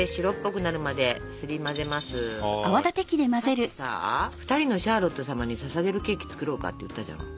さっきさ２人のシャーロット様にささげるケーキ作ろうかって言ったじゃん？